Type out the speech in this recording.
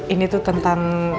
ini tuh tentang